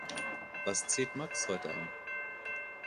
Was zieht Max heute an?